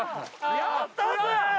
やったぜ！